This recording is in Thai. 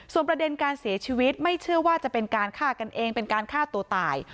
ประเด็นการเสียชีวิตไม่เชื่อว่าจะเป็นการฆ่ากันเองเป็นการฆ่าตัวตาย